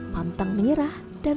pantang menyerah dan